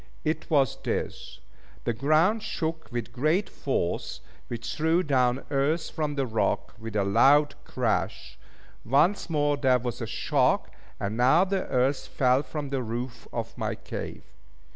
It was this the ground shook with great force, which threw down earth from the rock with a loud crash once more there was a shock and now the earth fell from the roof of my cave.